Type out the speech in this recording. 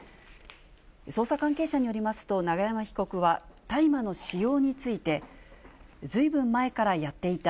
捜査関係者によりますと、永山被告は大麻の使用について、ずいぶん前からやっていた。